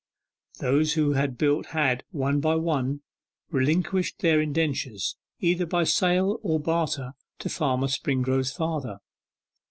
Those who had built had, one by one, relinquished their indentures, either by sale or barter, to Farmer Springrove's father.